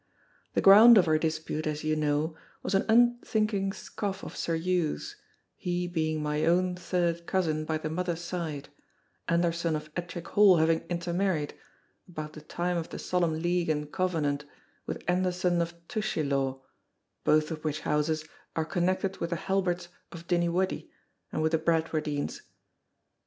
The ground of our dispute, as ye know, was an unthinking scoff of Sir Hew's, he being my own third cousin by the mother's side, Anderson of Ettrick Hall having intermarried, about the time of the Solemn League and Covenant, with Anderson of Tushielaw, both of which houses are connected with the Halberts of Dinniewuddie and with the Bradwardines.